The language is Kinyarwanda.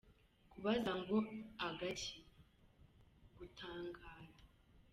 Kubaza ngo “agaki ?”: Gutangara.